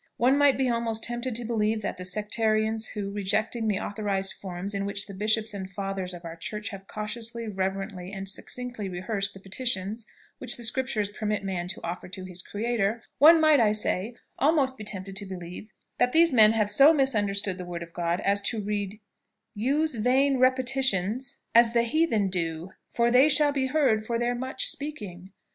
One might be almost tempted to believe that the sectarians who, rejecting the authorized forms in which the bishops and fathers of our church have cautiously, reverently, and succinctly rehearsed the petitions which the Scriptures permit man to offer to his Creator; one might, I say, almost be tempted to believe that these men have so misunderstood the Word of God, as to read: USE vain repetitions as the Heathen do, for they SHALL BE heard for their much speaking.